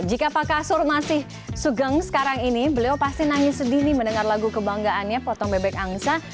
jika pak kasur masih sugeng sekarang ini beliau pasti nangis sedih nih mendengar lagu kebanggaannya potong bebek angsa